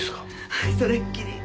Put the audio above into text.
はいそれっきり。